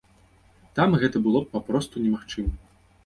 Там гэта было б папросту немагчыма.